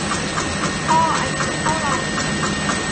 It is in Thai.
คุณพ่อ อายุเท่าไหร